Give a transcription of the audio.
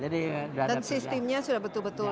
dan sistemnya sudah betul betul